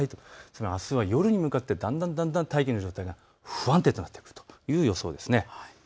つまりあすの夜に向かってだんだん大気の状態が不安定となってくるという予想です。